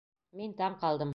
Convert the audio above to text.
Мин таң ҡалдым.